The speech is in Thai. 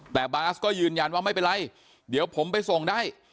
แต่บาสก็ยืนยันว่าไม่เป็นไรเดี๋ยวผมไปส่งได้